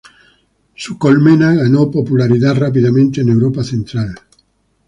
Su colmena ganó popularidad rápidamente en Europa Central.